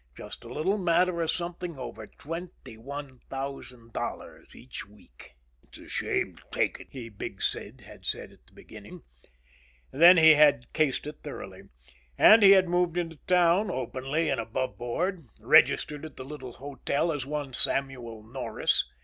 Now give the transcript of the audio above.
Just a little matter of something over $21,000 each week. "It's a shame to take it," he, Big Sid, had said in the beginning. Then he had cased it thoroughly. And he had moved into town, openly and aboveboard. Registered at the little hotel as one "Samuel Norris."